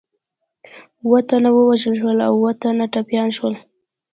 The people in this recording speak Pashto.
اووه تنه ووژل شول او اووه تنه ټپیان شول.